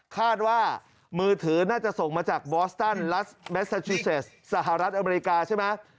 คาดว่ามือถือน่าจะส่งมาจากบอสตันลัสแมสซาชิเซสสหรัฐอเมริกาใช่ไหม